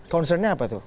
concernnya apa tuh